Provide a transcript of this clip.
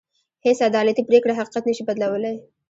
هېڅ عدالتي پرېکړه حقيقت نه شي بدلولی.